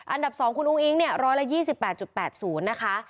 อันดับ๒คุณอุ้งอิ๊งเนี่ย๑๒๘๘๐นะคะ